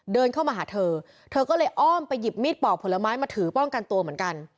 เดินเข้ามาหาเธอเธอก็เลยอ้อมไปหยิบมีดปอกผลไม้มาถือป้องกันตัวเหมือนกัน